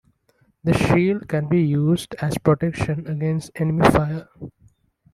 The shield can be used as protection against enemy fire.